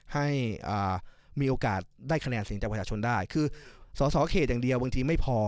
ให้อ่ามีโอกาสได้คะแนนสิ่งชาวประชาชนได้คือสร้า๊สร้าข่าวเขตอย่างเดียวบางทีไม่พอ